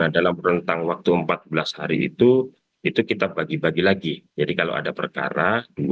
dalam rentang waktu empat belas hari itu itu kita bagi bagi lagi jadi kalau ada perkara